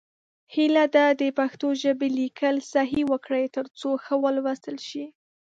هیله ده د پښتو ژبې لیکل صحیح وکړئ، تر څو ښه ولوستل شي.